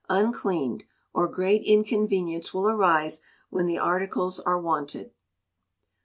uncleaned, or great inconvenience will arise when the articles are wanted.